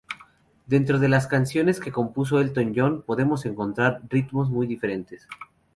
Dentro de las canciones que compuso Elton John, podemos encontrar ritmos muy diferentes.